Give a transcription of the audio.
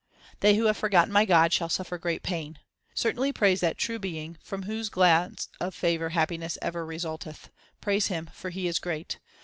They who have forgotten my God shall suffer great pain. Certainly praise that true Being, From whose glance of favour happiness ever resulteth. Praise Him, for He is Great.